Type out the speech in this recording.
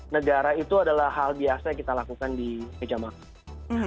negara itu adalah hal biasa yang kita lakukan di meja makan